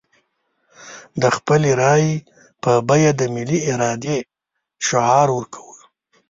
د خپلې رايې په بيه د ملي ارادې شعار ورکوو.